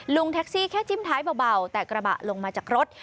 แท็กซี่แค่จิ้มท้ายเบาแต่กระบะลงมาจากรถ